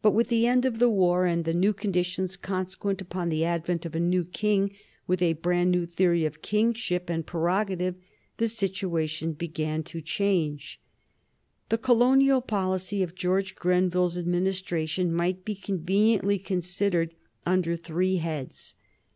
But with the end of the war and the new conditions consequent upon the advent of a new King with a brand new theory of kingship and prerogative, the situation began to change. The colonial policy of George Grenville's Administration might be conveniently considered under three heads.